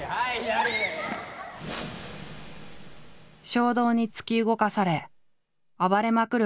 衝動に突き動かされ暴れまくる